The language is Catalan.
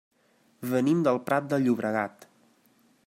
Venim del Prat de Llobregat.